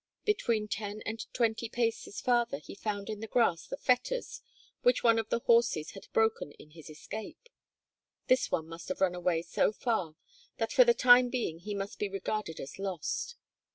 Between ten and twenty paces farther he found in the grass the fetters which one of the horses had broken in his escape. This one must have run away so far that for the time being he must be regarded as lost.